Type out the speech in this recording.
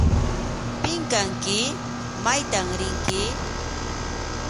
¿Pim kanki? ¿Maytam rinki?